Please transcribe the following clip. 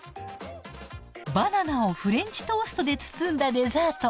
バナナをフレンチトーストで包んだデザート。